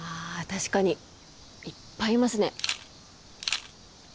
確かにいっぱいいますね